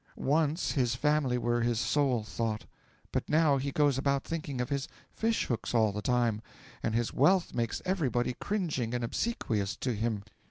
Once his family were his sole thought, but now he goes about thinking of his fish hooks all the time. And his wealth makes everybody cringing and obsequious to him.